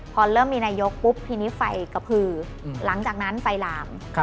พอเริ่มมีนายกปุ๊บทีนี้ไฟกระพือหลังจากนั้นไฟหลาม